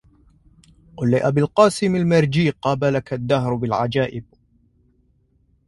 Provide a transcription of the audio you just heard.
قل لأبي القاسم المرجى قابلك الدهر بالعجائب